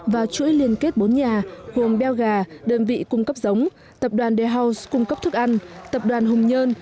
và chuỗi liên kết bốn nhà gồm beo gà đơn vị cung cấp giống tập đoàn de house cung cấp thức ăn tập đoàn hùng nhơn